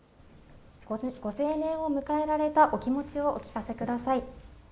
ご成年を迎えられたお気持ちをお聞かせください。